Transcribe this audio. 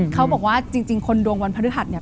เขาบอกว่าจริงคนดวงวันพฤหัสเนี่ย